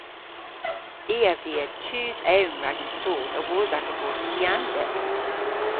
I a via tus ewn rag an soodh awos aga bos skiansek.